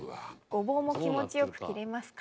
ゴボウも気持ちよく切れますか。